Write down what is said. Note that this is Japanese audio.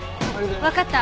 わかった。